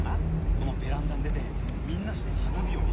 このベランダに出てみんなして花火を見る。